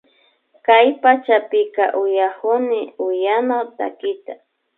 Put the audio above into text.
Kay pachapika uyakuni huyano takita